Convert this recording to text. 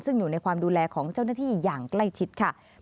ซึ่งอยู่ในความดูแลของเจ้าหน้าที่อย่างใกล้ชิดค่ะ